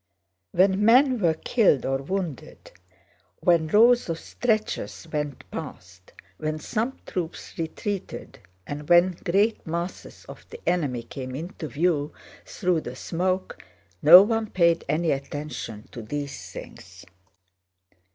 When men were killed or wounded, when rows of stretchers went past, when some troops retreated, and when great masses of the enemy came into view through the smoke, no one paid any attention to these things.